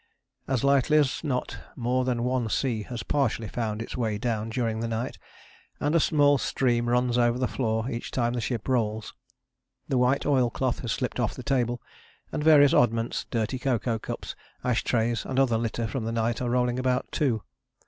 As likely as not more than one sea has partially found its way down during the night, and a small stream runs over the floor each time the ship rolls. The white oilcloth has slipped off the table, and various oddments, dirty cocoa cups, ash trays, and other litter from the night are rolling about too.